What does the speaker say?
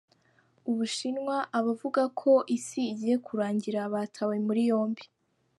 U Bushinwa Abavuga ko isi igiye kurangira batawe muri yombi